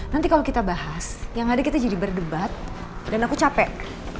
nanti kalau kita bahas yang ada kita jadi berdebat dan aku capek